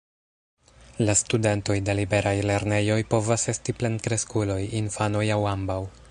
La studentoj de liberaj lernejoj povas esti plenkreskuloj, infanoj aŭ ambaŭ.